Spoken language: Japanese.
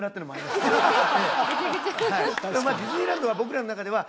まあディズニーランドは僕らの中では